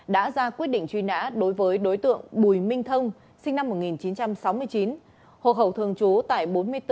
đã ra quyết định truy nã đối với đối tượng bùi minh thông sinh năm một nghìn chín trăm sáu mươi chín hộ khẩu thường trú tại bốn mươi bốn